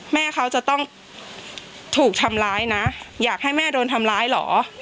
แม่เขาจะต้องถูกทำร้ายนะอยากให้แม่โดนทำร้ายเหรอ